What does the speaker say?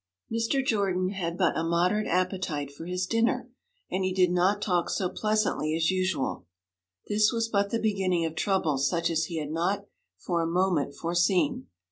Mr. Jordan had but a moderate appetite for his dinner, and he did not talk so pleasantly as usual. This was but the beginning of troubles such as he had not for a moment foreseen.